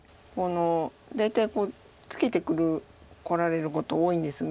大体ツケてこられること多いんですが。